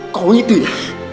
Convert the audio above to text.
kau itu ya